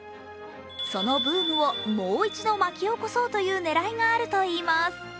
そのブームをもう一度、巻き起こそうという狙いがあるといいます。